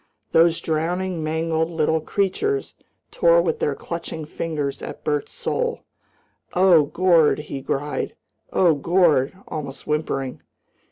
Those drowning, mangled little creatures tore with their clutching fingers at Bert's soul. "Oh, Gord!" he cried, "Oh, Gord!" almost whimpering.